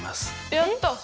やった！